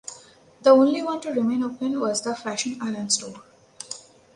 The only one to remain open was the Fashion Island store.